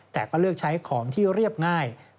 แต่ก็เลือกใช้ของที่เรียบง่าย